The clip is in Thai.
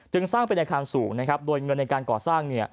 สร้างเป็นอาคารสูงนะครับโดยเงินในการก่อสร้าง